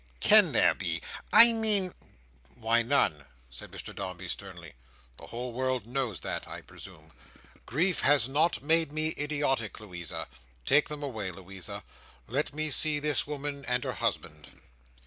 "Can there be, I mean—" "Why none," said Mr Dombey, sternly. "The whole world knows that, I presume. Grief has not made me idiotic, Louisa. Take them away, Louisa! Let me see this woman and her husband."